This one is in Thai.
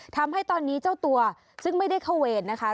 ทำให้ตอนนี้เจ้าตัวซึ่งไม่ได้เข้าเวรนะคะ